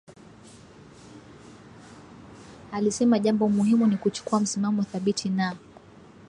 Alisema jambo muhimu ni kuchukua msimamo thabiti na